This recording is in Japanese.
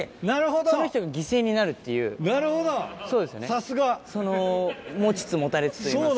さすが！持ちつ持たれつといいますか。